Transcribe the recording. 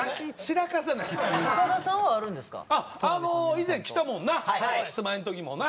以前来たもんなキスマイん時もな。